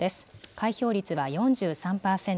開票率は４３％。